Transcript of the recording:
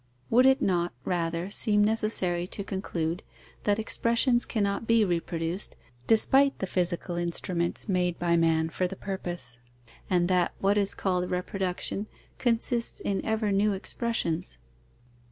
Would it not, rather, seem necessary to conclude that expressions cannot be reproduced, despite the physical instruments made by man for the purpose, and that what is called reproduction consists in ever new expressions?